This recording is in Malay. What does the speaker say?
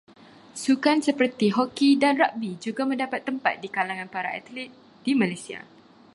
Sukan seperti hoki dan ragbi juga mendapat tempat di kalangan para atlit di Malaysia.